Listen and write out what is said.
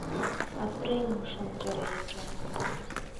Апрель мшы анҵәара иаҿын.